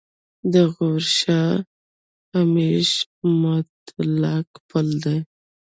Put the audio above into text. د غور شاهمشه معلق پل دی